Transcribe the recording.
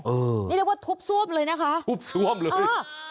นี่เรียกว่าทุบซ่วมเลยนะคะทุบซ่วมเลย